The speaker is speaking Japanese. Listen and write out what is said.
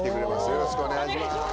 よろしくお願いします。